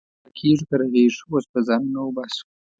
که مړه کېږو، که رغېږو، اوس به ځانونه وباسو.